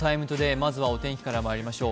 まずはお天気からまいりましょう。